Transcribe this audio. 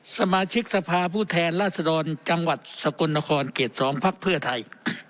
สมาชิกทรภาผู้แทนราชดรจังหวัดสกลนครเกียรติสองภักดิ์เพื่อไทย